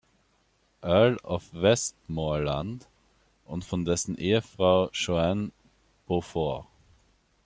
Earl of Westmorland, und von dessen Ehefrau Joan Beaufort.